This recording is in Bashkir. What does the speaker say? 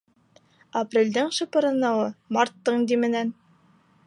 Апрелдең шапырыныуы марттың дименән.